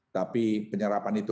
tapi penyerapan itu